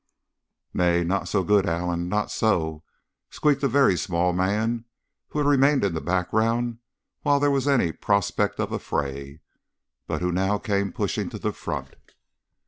"'Nay, not so, good Allen not so,' squeaked a very small man, who had remained in the background while there was any prospect of a fray, but who now came pushing to the front.